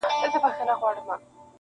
• دغو ورانو خرابو کي -